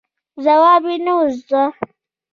ځواب یې نه و زده.